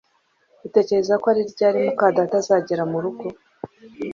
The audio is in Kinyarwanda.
Utekereza ko ari ryari muka data azagera murugo?